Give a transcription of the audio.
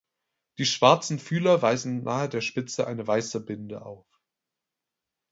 Die schwarzen Fühler weisen nahe der Spitze eine weiße Binde auf.